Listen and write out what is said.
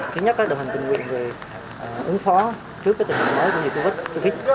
thứ nhất là đội hình tình nguyện về ứng phó trước tình hình mới của dịch covid một mươi chín